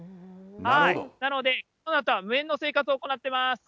なので、コロナとは無縁の生活を行っています。